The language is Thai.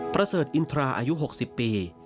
ประเสริฐอินทราอายุ๖๐ปี